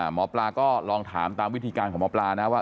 หมอปลาก็ลองถามตามวิธีการของหมอปลานะว่า